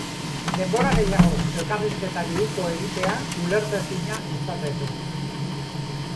Denbora gehiagoz elkarrizketari uko egitea ulertezina litzateke.